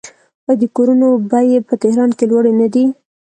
آیا د کورونو بیې په تهران کې لوړې نه دي؟